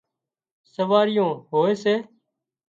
سواريون هوئي سي